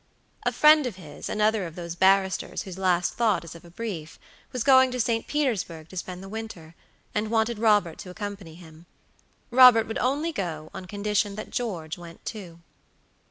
A friend of his, another of those barristers whose last thought is of a brief, was going to St. Petersburg to spend the winter, and wanted Robert to accompany him. Robert would only go on condition that George went too.